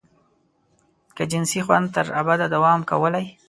که جنسي خوند تر ابده دوام کولای.